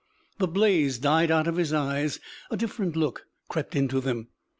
The blaze died out of his eyes; a different look crept into them.